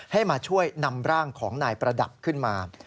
ให้มาช่วยนำร่างของนายประดับขึ้นมา